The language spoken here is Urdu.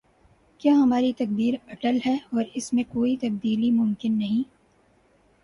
کیا ہماری تقدیر اٹل ہے اور اس میں کوئی تبدیلی ممکن نہیں؟